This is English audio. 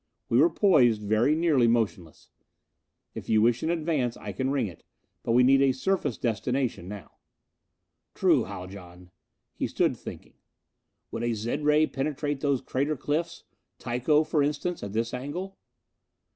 We were poised, very nearly motionless. "If you wish an advance, I can ring it. But we need a surface destination now." "True, Haljan." He stood thinking. "Would a zed ray penetrate those crater cliffs? Tycho, for instance, at this angle?"